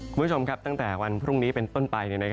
คุณผู้ชมครับตั้งแต่วันพรุ่งนี้เป็นต้นไป